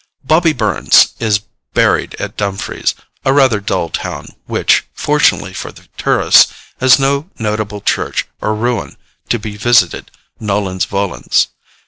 'Bobby Burns' is buried at Dumfries, a rather dull town, which, fortunately for the tourist, has no notable church or ruin to be visited nolens volens.